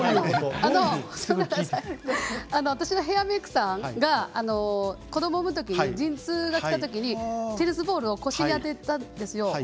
私のヘアメークさんが子どもを産む時に陣痛がきた時にテニスボールを腰に当てたそうです。